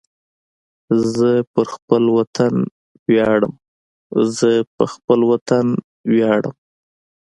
زه پر خپل وطن ویاړم